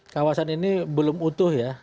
kawasan ini belum utuh ya